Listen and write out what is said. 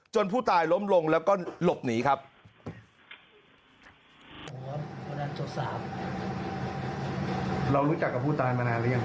ผู้ตายล้มลงแล้วก็หลบหนีครับ